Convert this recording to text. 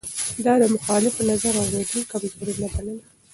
ده د مخالف نظر اورېدل کمزوري نه بلله.